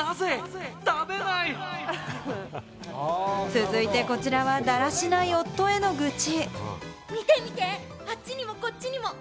続いてこちらは、だらしない夫への愚痴。